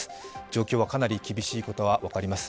状況はかなり厳しいことが分かります。